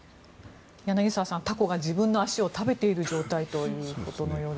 柳澤さんタコが自分の足を食べている状態ということのようです。